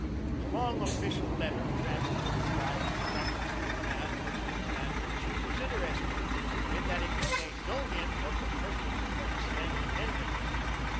A long official letter transmitting the files and records of the command to its new commander in chief was interesting, in that it contained no hint of the pregnant events then impending.